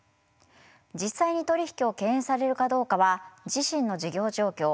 実際に取り引きを敬遠されるかどうかは自身の事業状況